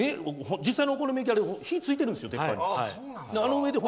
実際のお好み焼き屋さんで手がついてるんですよ、鉄板に。